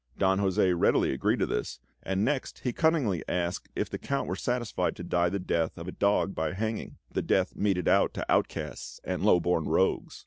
Don José readily agreed to this, and next he cunningly asked if the Count were satisfied to die the death of a dog by hanging the death meted out to outcasts and low born rogues.